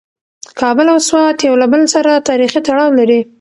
کابل او سوات یو له بل سره تاریخي تړاو لري.